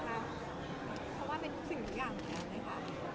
เพราะว่าเป็นสิ่งใหญ่อย่างกลายง่าย